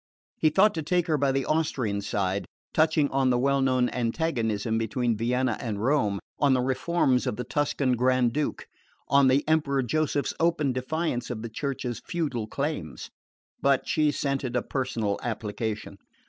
He thought to take her by the Austrian side, touching on the well known antagonism between Vienna and Rome, on the reforms of the Tuscan Grand Duke, on the Emperor Joseph's open defiance of the Church's feudal claims. But she scented a personal application.